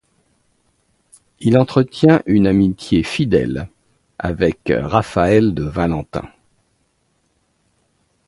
Il entretient une amitié fidèle avec Raphaël de Valentin.